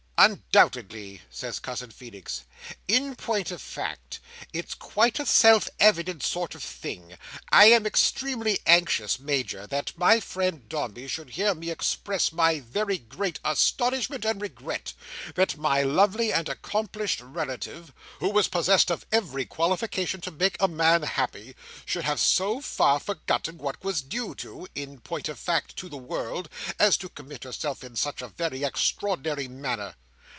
"Undoubtedly," says Cousin Feenix. "In point of fact, it's quite a self evident sort of thing. I am extremely anxious, Major, that my friend Dombey should hear me express my very great astonishment and regret, that my lovely and accomplished relative, who was possessed of every qualification to make a man happy, should have so far forgotten what was due to—in point of fact, to the world—as to commit herself in such a very extraordinary manner.